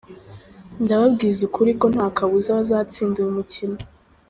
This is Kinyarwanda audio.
Ndababwiza ukuri ko nta kabuza bazatsinda uyu mukino.